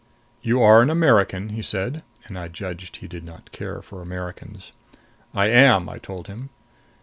"You are an American?" he said, and I judged he did not care for Americans. "I am," I told him.